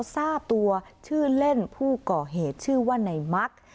ทราบตัวชื่อเล่นผู้ก่อเหตุชื่อว่าในมัก